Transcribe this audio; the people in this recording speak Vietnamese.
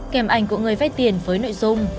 kèm ảnh của người vét tiền với nội dung